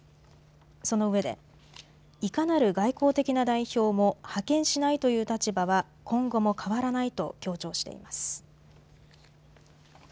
そのうえで、いかなる外交的な代表も派遣しないという立場は今後も変わらないと強調しています。